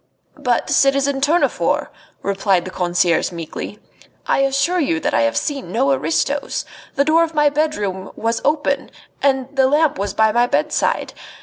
"But, citizen Tournefort," replied the concierge meekly, "I assure you that I have seen no aristos. The door of my bedroom was open, and the lamp was by my bedside.